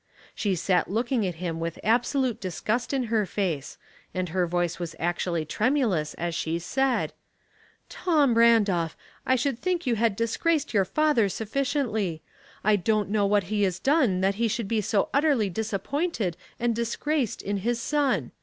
She sat looking at him with absolute disgust in her face, and her voice was actually tremulous as she said, —" Tom Randolph, I should think you had dis graced your father sufficiently. I don't know what he has done that he should be so utterly disappointed and disgraced in his son.